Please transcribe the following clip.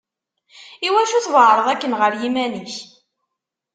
Iwacu tweεreḍ akken ɣer yiman-ik?